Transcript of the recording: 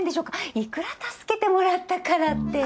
いくら助けてもらったからって。